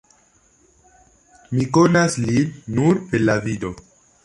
Mi konas lin nur per la vido.